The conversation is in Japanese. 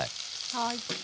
はい。